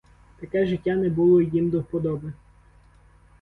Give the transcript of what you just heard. Таке життя не було їм до вподоби.